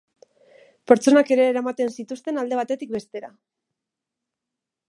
Pertsonak ere eramaten zituzten alde batetik bestera.